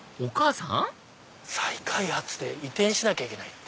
「再開発で移転しなきゃいけない」って。